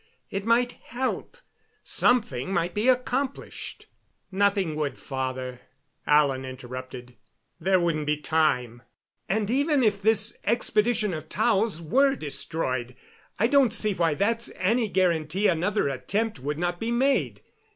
It might help something might be accomplished " "Nothing would, father," Alan interrupted. "There wouldn't be time. And even if this expedition of Tao's were destroyed, I don't see why that's any guarantee another attempt would not be made.